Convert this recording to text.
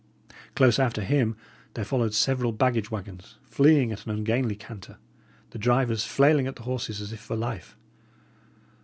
Close after him there followed several baggage waggons, fleeing at an ungainly canter, the drivers flailing at the horses as if for life.